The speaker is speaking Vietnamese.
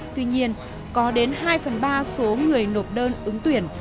tuy nhiên có đến hai phần ba số người nộp đơn ứng tuyển